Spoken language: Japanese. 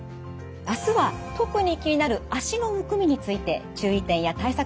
明日は特に気になる脚のむくみについて注意点や対策